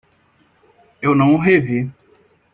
Eu não o revi.